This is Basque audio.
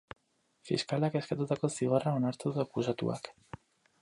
Fiskalak eskatutako zigorra onartu du akusatuak.